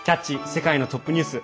世界のトップニュース」。